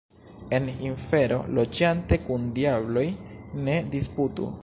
En infero loĝante, kun diabloj ne disputu.